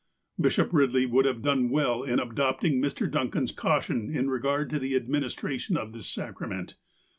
Bishop Eidley would have done well in adopting Mr. Duncan's caution in regard to the administration of this sacrament.